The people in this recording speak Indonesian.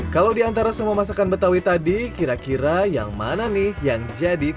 kalau diantara semua masakan betawi tadi kira kira yang mana nih yang jadi